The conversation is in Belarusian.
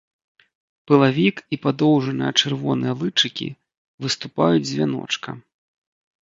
Пылавік і падоўжаныя чырвоныя лычыкі выступаюць з вяночка.